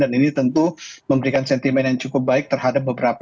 dan ini tentu memberikan sentimen yang cukup baik terhadap beberapa aspek